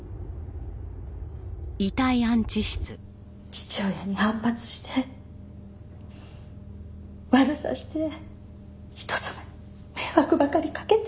父親に反発して悪さして人様に迷惑ばかりかけて！